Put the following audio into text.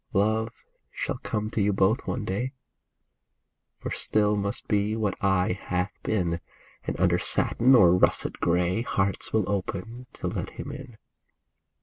Love shall come to you both one day. For still must be what aye hath been ; And under satin or russet gray Hearts will open to let him in.